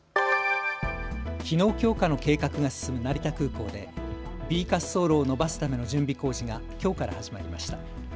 機能強化の計画が進む成田空港でＢ滑走路を延ばすための準備工事がきょうから始まりました。